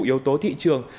yếu tố thị trường